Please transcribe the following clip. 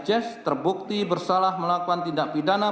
jess terbukti bersalah melakukan tindak pidana